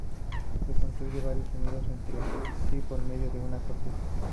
Se construyen varios unidos entre sí por medio de una cortina.